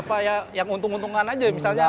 apa ya yang untung untungan aja misalnya